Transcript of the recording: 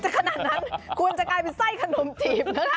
ขนาดนั้นแล้วคุณจะใกล้ไปไส้กรมจีบ